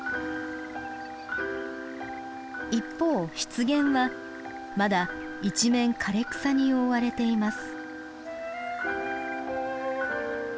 一方湿原はまだ一面枯れ草に覆われています。